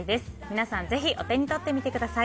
皆さんぜひお手に取ってみてください。